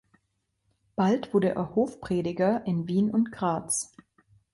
Bald wurde er Hofprediger in Wien und Graz.